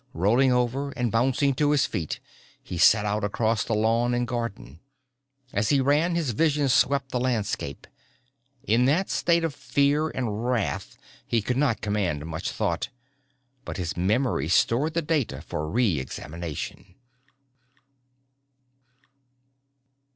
Rolling over and bouncing to his feet he set out across lawn and garden. As he ran his vision swept the landscape. In that state of fear and wrath he could not command much thought but his memory stored the data for re examination.